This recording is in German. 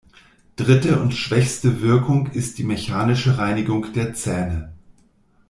Dritte und schwächste Wirkung ist die mechanische Reinigung der Zähne.